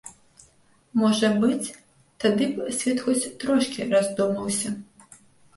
Можа быць, тады б свет хоць трошкі раздумаўся.